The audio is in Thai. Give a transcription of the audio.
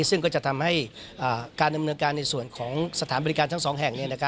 ซึ่งก็จะทำให้การดำเนินการในส่วนของสถานบริการทั้ง๒แห่ง